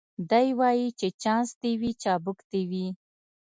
دی وايي چي چانس دي وي چابک دي وي